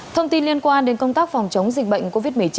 thông tin liên quan đến công tác phòng chống dịch bệnh covid một mươi chín